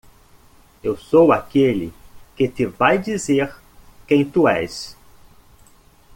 eu sou aquele que te vai dizer quem tu és.